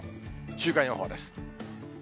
週間予報です。